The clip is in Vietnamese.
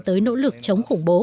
tới nỗ lực chống khủng bố